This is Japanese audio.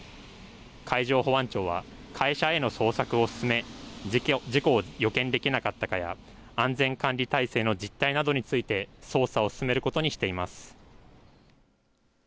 海上保安庁は会社への捜索を進め事故を予見できなかったかや安全管理体制の実態などについて捜査を進めることにしています。